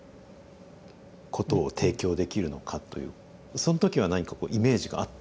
その時は何かこうイメージがあったんですか？